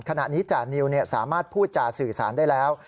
ขณะนี้จานิวสามารถพูดจาสื่อสารได้แล้ว